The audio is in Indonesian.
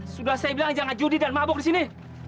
sudah saya bilang jangan judi dan mabuk di sini